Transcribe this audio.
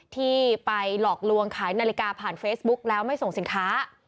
ที่ไปหลอกลวงขายนาฬิกาผ่านเฟซบุ๊กแล้วไม่ส่งสินค้า